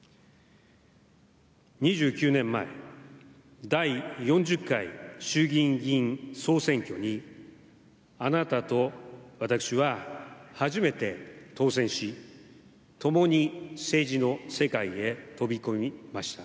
２９年前第４０回衆議院議員総選挙にあなたと私は初めて当選しともに政治の世界へ飛び込みました。